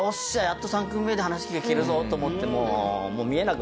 やっと３組目で話聞けるぞ！」と思ってもう。